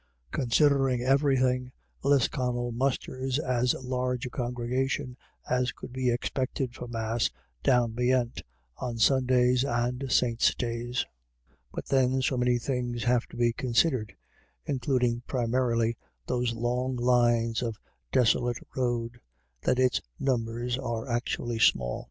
CONSIDERING everything, Lisconnel musters as large a congregation as could be expected for Mass down beyant on Sundays and saints 1 days. But then so many things have to be considered, includ ing primarily those long miles of desolate road, that its numbers are actually small.